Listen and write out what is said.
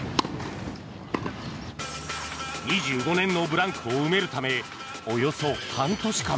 ２５年のブランクを埋めるためおよそ半年間